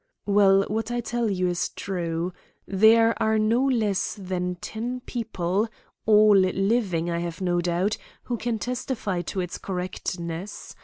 "Well, what I tell you is true. There are no less than ten people, all living, I have no doubt, who can testify to its correctness.